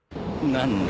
何だ！？